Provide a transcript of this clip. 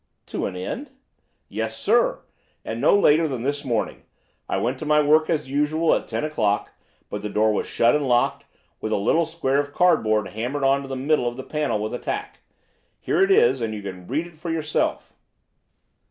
"To an end?" "Yes, sir. And no later than this morning. I went to my work as usual at ten o'clock, but the door was shut and locked, with a little square of cardboard hammered on to the middle of the panel with a tack. Here it is, and you can read for yourself."